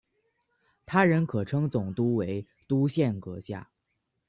他人可称总督为督宪阁下。